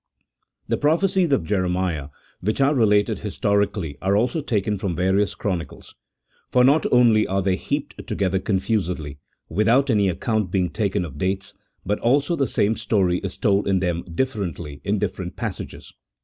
The prophecies of Jeremiah, which are related historically are also taken from various chronicles; for not only are they heaped together confusedly, without any account being taken of dates, but also the same story is told in them dif ferently in different passages.